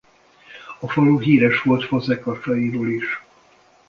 A falu híres volt fazekasairól is.